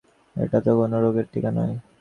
এটা তো কোনো রোগের টিকা নয়।